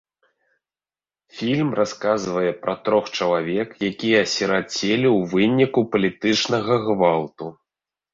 Фільм расказвае пра трох чалавек, якія асірацелі ў выніку палітычнага гвалту.